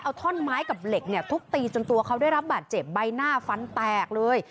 เอาท่อนไม้กับเหล็กเนี่ยทุบตีจนตัวเขาได้รับบาดเจ็บใบหน้าฟันแตกเลย